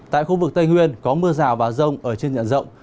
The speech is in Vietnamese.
tại khu vực tây nguyên có mưa rào và rông ở trên nhận rộng